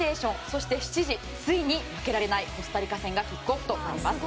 そして７時、ついに負けられないコスタリカ戦がキックオフとなります。